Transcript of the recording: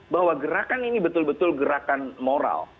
bahwa gerakan ini betul betul gerakan moral